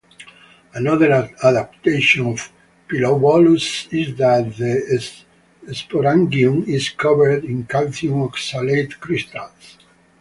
Another adaptation of "Pilobolus" is that the sporangium is covered in calcium oxalate crystals.